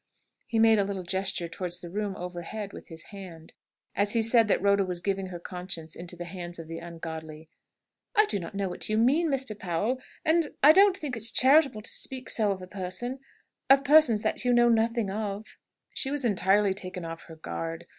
He made a little gesture towards the room overhead with his hand, as he said that Rhoda was giving her conscience into the hands of the ungodly. "I don't know what you mean, Mr. Powell. And I I don't think it's charitable to speak so of a person of persons that you know nothing of." She was entirely taken off her guard.